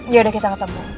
yaudah kita ketemu